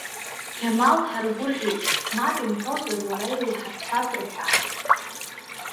Қьамал дҳаргәыӷхьеит, мап имҳәозар, уара иуҳарҳәап, — рҳәан…